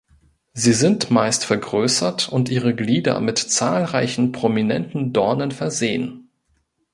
Sie sind meist vergrößert und ihre Glieder mit zahlreichen prominenten Dornen versehen.